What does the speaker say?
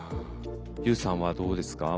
Ｕさんはどうですか？